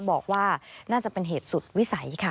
บอกว่าน่าจะเป็นเหตุสุดวิสัยค่ะ